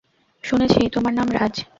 শুনেছি তোমার নাম রাজ।